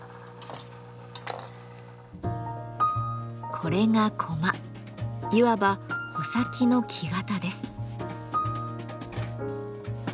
これがいわば穂先の木型です。